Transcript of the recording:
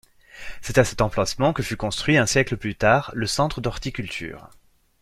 C'est à cet emplacement que fut construit, un siècle plus tard, le Centre d'horticulture.